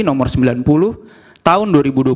nomor sembilan puluh tahun dua ribu dua puluh